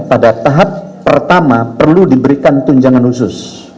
pada tahap pertama perlu diberikan tunjangan khusus